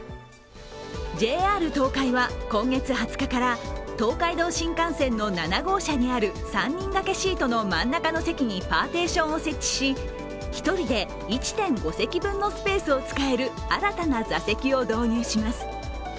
ＪＲ東海は今月２０日から東海道新幹線の７号車にある３人掛けシートの真ん中の席にパーテーションを設置し１人で１．５席分のスペースを使える新たな座席を導入します。